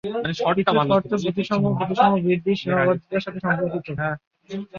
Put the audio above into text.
কিছু শর্ত প্রতিসম ও প্রতিসম বৃদ্ধির সীমাবদ্ধতার সাথে সম্পর্কিত।